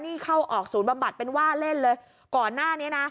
นี่เข้าออกศูนย์บำบัดเป็นว่าเล่นเลยก่อนหน้านี้นะ